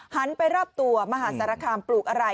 ไปรอบตัวมหาสารคามปลูกอะไร